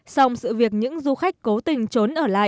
sau sự việc những du khách cố tình trốn